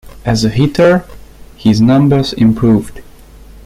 As a hitter, his numbers improved.